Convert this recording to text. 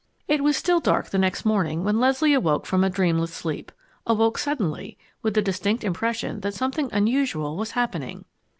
It was still dark the next morning when Leslie awoke from a dreamless sleep awoke suddenly, with the distinct impression that something unusual was happening.